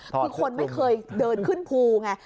คือคนไม่เคยเดินขึ้นภูไง